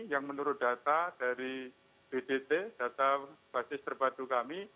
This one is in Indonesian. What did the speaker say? yang menurut data dari bdt data basis terpadu kami